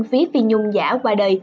phía phi nhung giả qua đời